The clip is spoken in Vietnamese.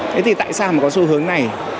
thế thì tại sao mà có xu hướng này